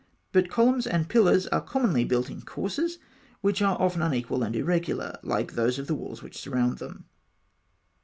But columns and pillars are commonly built in courses, which are often unequal and irregular, like those of the walls which surround them.